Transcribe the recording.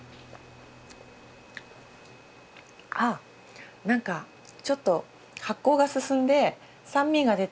あ何かちょっと発酵が進んで酸味が出て。